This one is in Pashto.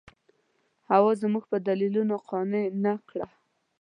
حوا زما په دلیلونو قانع نه کړه.